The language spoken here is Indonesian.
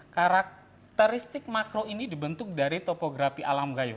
karakteristik makro ini dibentuk dari topografi alam gayung